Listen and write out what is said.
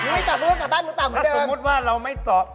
ไม่ตอบมือกลับบ้านมือเปล่าเหมือนเดิม